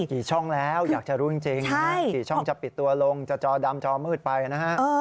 กี่ช่องแล้วอยากจะรู้จริงกี่ช่องจะปิดตัวลงจะจอดำจอมืดไปนะฮะ